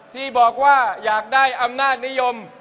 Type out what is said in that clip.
ที่บอกว่าอยากได้อำนาจนิยม